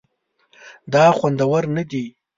دا خوندور نه دي